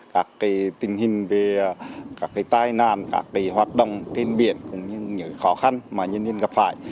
các cái tình hình về các cái tai nạn các cái hoạt động trên biển cũng như những khó khăn mà nhân viên gặp phải